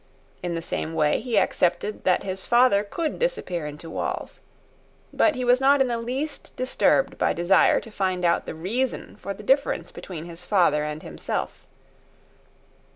In the same way he accepted that his father could disappear into walls. But he was not in the least disturbed by desire to find out the reason for the difference between his father and himself.